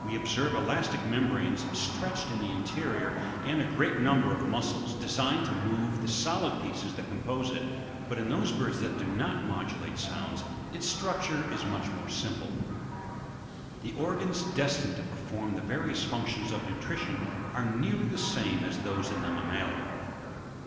observe elastic membranes stretched in its interior and a great number of muscles, designed to move the solid pieces that com pose it; but in those birds that do not modulate sounds, its structure is much more simple. 25. The organs destined to perform the various functions of nutrition are nearly the same as those in the mammalia.